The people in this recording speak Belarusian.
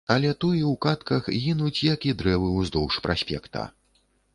Але туі ў кадках гінуць, як і дрэвы ўздоўж праспекта.